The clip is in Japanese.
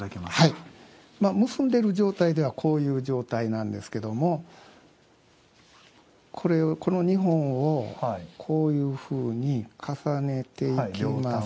結んでる状態ではこういう状態なんですけどもこの２本をこういうふうに重ねていきますと。